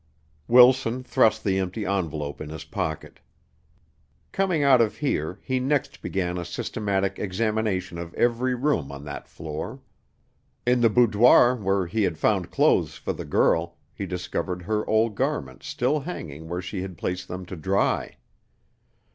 Wilson thrust the empty envelope in his pocket. Coming out of here, he next began a systematic examination of every room on that floor. In the boudoir where he had found clothes for the girl, he discovered her old garments still hanging where she had placed them to dry.